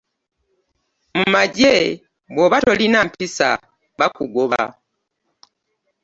Mu magye bw'oba tolina mpisa bakugoba.